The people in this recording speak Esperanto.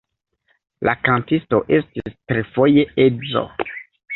La kantisto estis trifoje edzo.